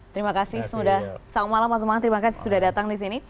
terima kasih sudah selamat malam mas umam terima kasih sudah datang di sini